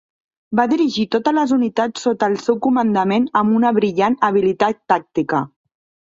Va dirigir totes les unitats sota el seu comandament amb una brillant habilitat tàctica.